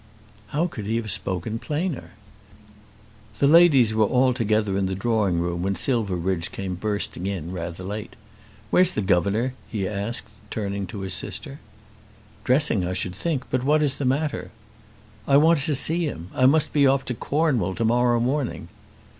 How could he have spoken plainer? The ladies were all together in the drawing room when Silverbridge came bursting in rather late. "Where's the governor?" he asked, turning to his sister. "Dressing, I should think; but what is the matter?" "I want to see him. I must be off to Cornwall to morrow morning."